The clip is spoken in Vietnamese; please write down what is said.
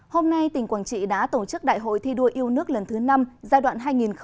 hôm nay tỉnh quảng trị đã tổ chức đại hội thi đua yêu nước lần thứ năm giai đoạn hai nghìn hai mươi hai nghìn hai mươi năm